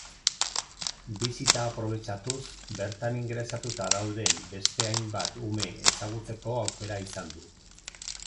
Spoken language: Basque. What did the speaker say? Bisita aprobetxatuz, bertan ingresatuta dauden beste hainbat ume ezagutzeko aukera izan du.